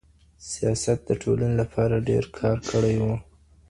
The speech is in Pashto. سیاست د ټولنې لپاره ډېر کار کړی وو.